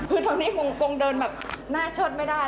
คือทางนี้คงเดินแบบหน้าเชิดไม่ได้